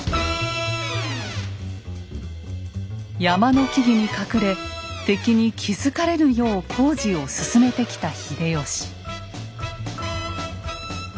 山の木々に隠れ敵に気付かれぬよう工事を進めてきた秀吉。